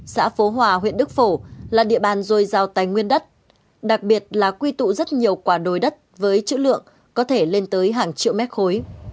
xã phố hòa huyện đức phổ là địa bàn dồi dào tài nguyên đất đặc biệt là quy tụ rất nhiều quả đồi đất với chữ lượng có thể lên tới hàng triệu mét khối